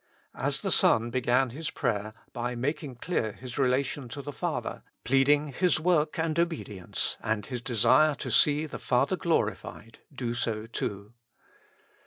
As the Son began His prayer by making clear His relation to the Father, pleading His work and obedience and His desire to see the Father glorified, do so too.